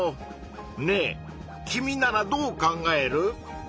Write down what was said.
ねえ君ならどう考える？